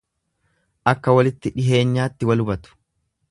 Akka walitti dhiheenyaatti wal hubatu.